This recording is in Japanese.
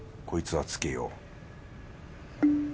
こいつはつけよう